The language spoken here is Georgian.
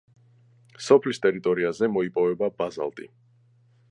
სოფლის ტერიტორიაზე მოიპოვება ბაზალტი.